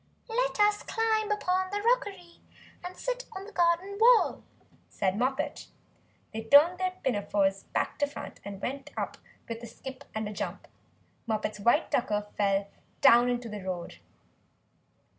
"Let us climb up the rockery, and sit on the garden wall," said Moppet. They turned their pinafores back to front, and went up with a skip and a jump; Moppet's white tucker fell down into the road.